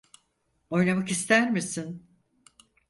Oynamak ister misin?